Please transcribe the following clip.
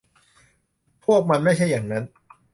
พวกมันไม่ใช่อย่างนั้น